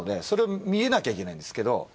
それを見えなきゃいけないんですけど。